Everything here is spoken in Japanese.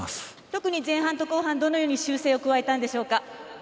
特に前半と後半、どのように修正を加えたんでしょうか。